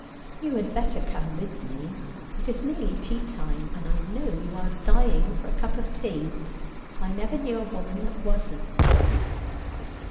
' You had better come witt me. It is nearly tea l'me, and I know you are dying for a cup of tea. I never knew a woman that wasn't.'